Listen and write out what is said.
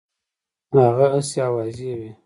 هغه هسي آوازې وي.